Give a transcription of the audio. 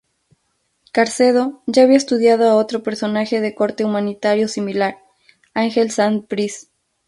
Carcedo ya había estudiado a otro personaje de corte humanitario similar, Ángel Sanz Briz.